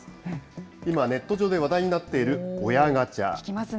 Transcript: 今、ネット上で話題になっている聞きますね。